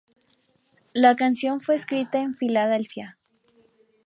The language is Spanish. La canción fue escrita en Filadelfia.